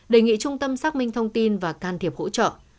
đề nghị trung tâm xác minh thông tin và can thiệp hỗ trợ